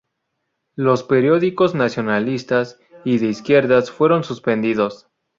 Los periódicos nacionalistas y de izquierdas fueron suspendidos.